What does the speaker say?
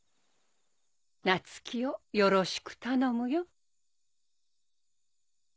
夏希をよろしく頼むよ。